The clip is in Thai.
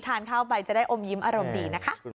ทานข้าวไปจะได้อมยิ้มอารมณ์ดีนะคะ